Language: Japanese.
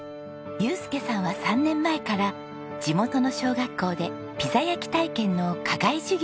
祐介さんは３年前から地元の小学校でピザ焼き体験の課外授業を行っています。